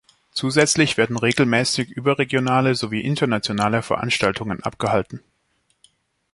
Zusätzlich werden regelmässig überregionale sowie internationale Veranstaltungen abgehalten.